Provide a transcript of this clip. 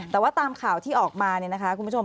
แต่ว่าตามข่าวที่ออกมาเนี่ยนะคะคุณผู้ชม